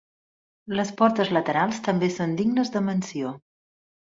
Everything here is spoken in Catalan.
Les portes laterals també són dignes de menció.